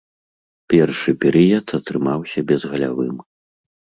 Першы перыяд атрымаўся безгалявым.